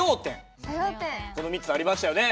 この３つありましたよね。